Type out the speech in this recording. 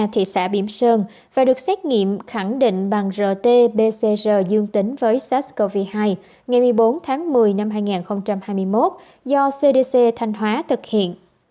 thị xã biểm sơn và được xét nghiệm khẳng định bằng rt pcr dương tính với sars cov hai ngày một mươi bốn tháng một mươi năm hai nghìn hai mươi một do cdc thanh hóa thực hiện